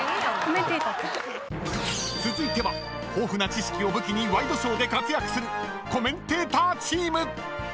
［続いては豊富な知識を武器にワイドショーで活躍するコメンテーターチーム］